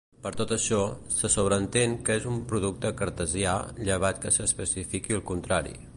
Per tot això, se sobreentén que en un producte cartesià, llevat que s'especifiqui el contrari.